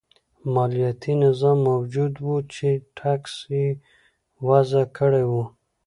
مالیاتي نظام موجود و چې ټکس یې وضعه کړی و.